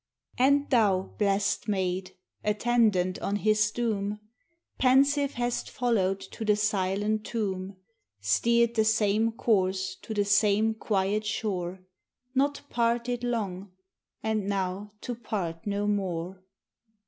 And thou, bless'd maid! attendant on his doom, Pensive hast follow'd to the silent tomb, Steer'd the same course to the same quiet shore, Not parted long, and now to part no more!